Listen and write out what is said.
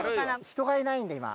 人がいないんで今。